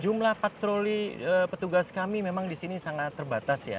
jumlah patroli petugas kami memang di sini sangat terbatas ya